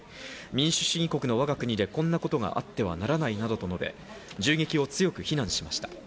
民主主義国の我が国でこんなことがあってはならないなどと述べ、銃撃を強く非難しました。